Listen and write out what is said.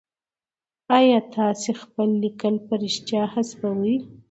آيا تاسي خپل ليکل په رښتيا حذفوئ ؟